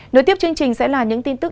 nối tiếp chương trình sẽ là những tin tức